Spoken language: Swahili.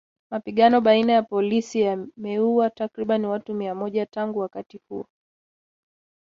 Mapigano baina ya polisi yameuwa takriban watu mia mmoja tangu wakati huo